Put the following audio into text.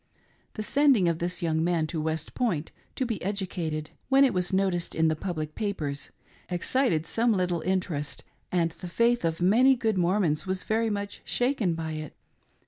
The sending of this young man to West Point to be educated, when it was noticed in the pubUc papers, excited some little interest, and the faith of many of the good Mormons was very much shaken by it.